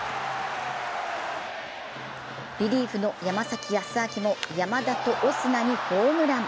リリーフの山崎康晃も山田とオスナにホームラン。